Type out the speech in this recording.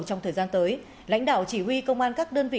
trong thời gian tới lãnh đạo chỉ huy công an các đơn vị